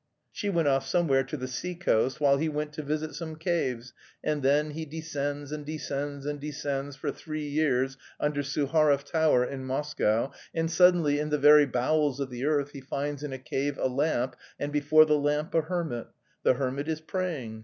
She went off somewhere to the sea coast, while he went to visit some caves, and then he descends and descends and descends for three years under Suharev Tower in Moscow, and suddenly in the very bowels of the earth, he finds in a cave a lamp, and before the lamp a hermit. The hermit is praying.